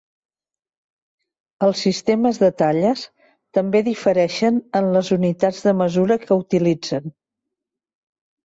Els sistemes de talles també difereixen en les unitats de mesura que utilitzen.